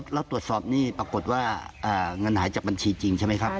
เราตรวจสอบนี่ปรากฏว่าเงินหายจากบัญชีจริงใช่ไหมครับ